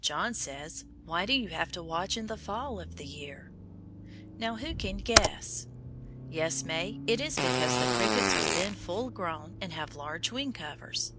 John says, Why do you have to watch in the fall of the year? Now who can guess? Yes, May, it is because the crickets are then full grown, and have large wing covers.